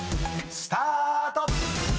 ［スタート！］